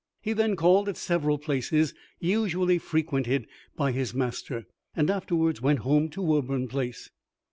He then called at several places usually frequented by his master, and afterwards went home to Woburn Place.